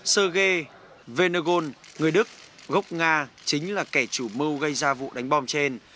serge venegon người đức gốc nga chính là kẻ chủ mưu gây ra vụ đánh bom trên